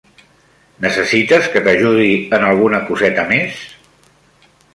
Necessites que t'ajudi en alguna coseta més?